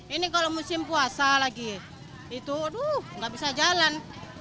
ini kalau musim puasa lagi itu aduh nggak bisa jalan